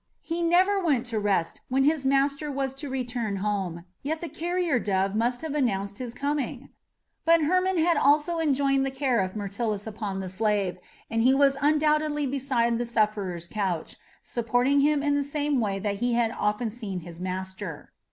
He never went to rest when his master was to return home, yet the carrier dove must have announced his coming! But Hermon had also enjoined the care of Myrtilus upon the slave, and he was undoubtedly beside the sufferer's couch, supporting him in the same way that he had often seen his master.